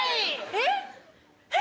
えっ？